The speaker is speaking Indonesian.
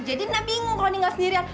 jadi nek bingung kalau ini nggak sendirian